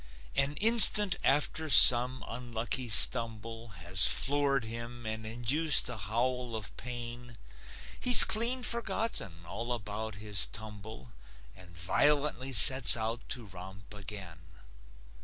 An instant after some unlucky stumble Has floored him and induced a howl of pain, He's clean forgotten all about his tumble And violently sets out to romp again.